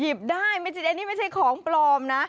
หยิบได้อันนี้ไม่ใช่ของกลอมนะ